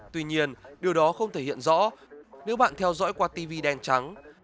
tuy nhiên điều đó không thể hiện rõ nếu bạn theo dõi qua tv đen trắng